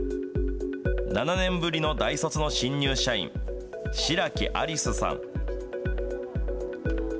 ７年ぶりの大卒の新入社員、白木ありすさん。